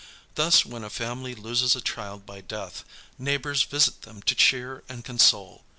Thus when a family loses a child by death, neighbors visit them to cheer and console.